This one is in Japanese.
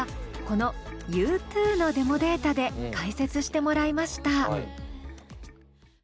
この「ｙｏｕｔｏｏ」のデモデータで解説してもらいました。